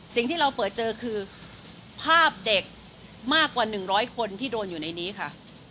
สิ่งที่เราเปิดเจอคือภาพเด็กมากกว่า๑๐๐คนที่โดนอยู่ในนี้ค่ะ